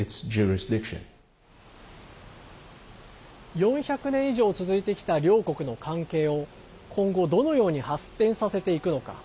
４００年以上続いてきた両国の関係を今後、どのように発展させていくのか。